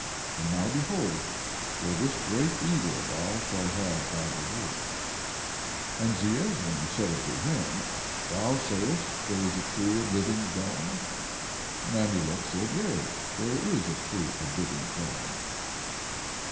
And now behold, for this great evil thou shalt have thy reward. 11:26 And Zeezrom said unto him: Thou sayest there is a true and living God? 11:27 And Amulek said: Yea, there is a true and living God.